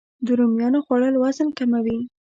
د رومیانو خوړل وزن کموي